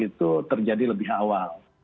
itu terjadi lebih awal